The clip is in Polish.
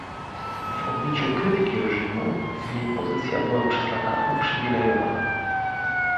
W obliczu krytyki reżimu, jej pozycja była przez lata uprzywilejowana